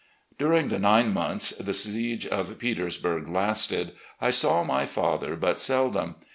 During the nine months the siege of Petersburg lasted, I saw my father but seldom.